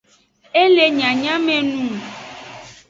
E le nyanyamenung.